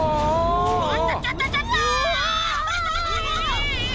ちょっとちょっとちょっと！ええ！